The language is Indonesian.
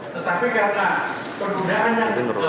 tetapi karena penggunaan yang